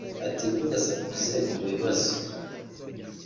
iti “Ntugasakuze mu bibazo